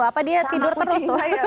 apa dia tidur terus tuh